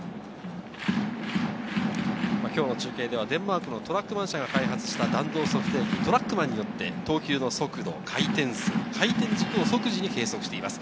今日の中継ではデンマークのトラックマン社が開発した弾道測定器、トラックマンによって投球の速度、回転数、回転軸を即時に計測しています。